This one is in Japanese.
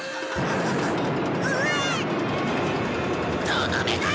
とどめだ！